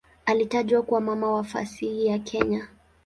Alitajwa kuwa "mama wa fasihi ya Kenya".